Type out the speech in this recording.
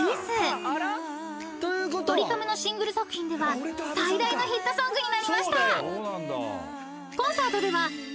［ドリカムのシングル作品では最大のヒットソングになりました］